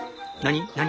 何？